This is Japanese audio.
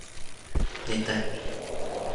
寝たい